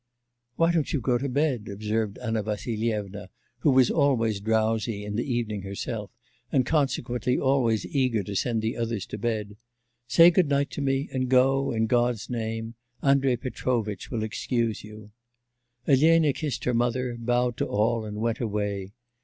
'Why don't you go to bed?' observed Anna Vassilyevna, who was always drowsy in the evening herself, and consequently always eager to send the others to bed. 'Say good night to me, and go in God's name; Andrei Petrovitch will excuse you.' Elena kissed her mother, bowed to all and went away.